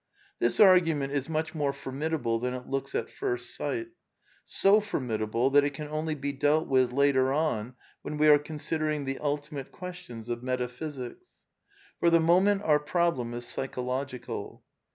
This argument is much more formidable than it looks at first sight. So formidable that it can only be dealt with later on when we are considering the ultimate questions of metaphysics. For the moment our problem is psycho logical.